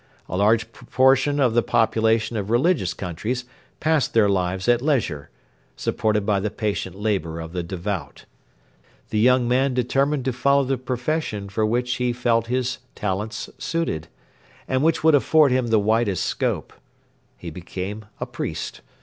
A large proportion of the population of religious countries pass their lives at leisure, supported by the patient labour of the devout. The young man determined to follow the profession for which he felt his talents suited, and which would afford him the widest scope. He became a priest.